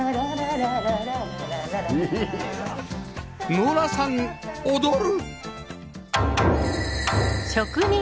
ノラさん踊る！？